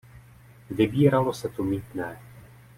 Vybíralo se tu mýtné.